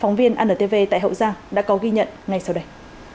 phóng viên antv tại hậu giang đã có ghi nhận ngay sau đây